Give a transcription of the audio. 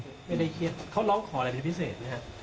ไม่ได้เครียดเขาร้องขออะไรเป็นพิเศษไหมครับ